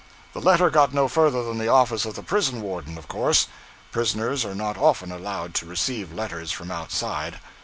The letter got no further than the office of the prison warden, of course; prisoners are not often allowed to receive letters from outside.